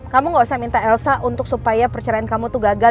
kamu gak usah minta elsa untuk supaya perceraian kamu tuh gagal